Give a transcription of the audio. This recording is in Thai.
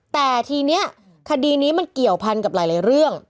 แต่ทีนี้คดีนี้มันเกี่ยวพันกับหลายเรื่อง